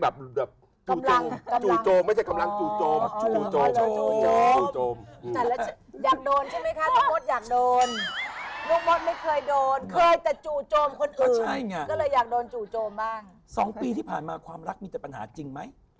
๒ปีที่ผ่านมาความรักมีแต่ปัญหาจริงไหม